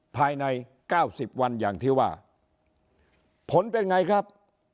ภายใน๙๐วันอย่างที่ว่าผลเป็นไงครับ